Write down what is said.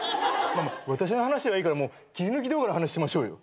私の話はいいから切り抜き動画の話しましょうよ。